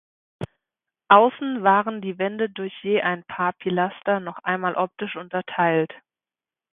Außen waren die Wände durch je ein Paar Pilaster noch einmal optisch unterteilt.